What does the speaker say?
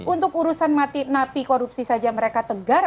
untuk urusan mati napi korupsi saja mereka tegar